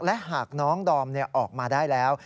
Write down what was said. และหากน้องดอมออกมาได้แล้ว